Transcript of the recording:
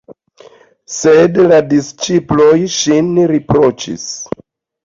Sed la disĉiploj ŝin riproĉis.